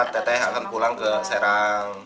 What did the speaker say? teteh akan pulang ke serang